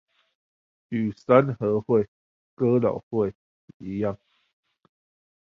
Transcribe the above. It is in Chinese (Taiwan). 與三合會、哥老會一樣